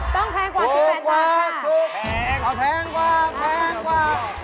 ต้องแพงกว่า๑๘บาทค่ะ